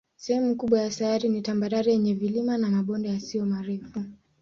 Sehemu kubwa ya sayari ni tambarare yenye vilima na mabonde yasiyo marefu.